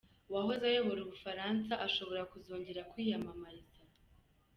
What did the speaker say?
Uwahoze ayobora ubufaransa ashobora kuzongera kwiyamamariza